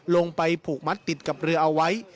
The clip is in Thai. ลงไปผูกมัดติดกับเรือเอาไว้